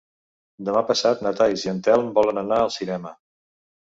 Demà passat na Thaís i en Telm volen anar al cinema.